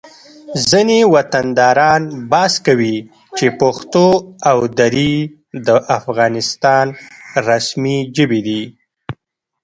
ځینې وطنداران بحث کوي چې پښتو او دري د افغانستان رسمي ژبې دي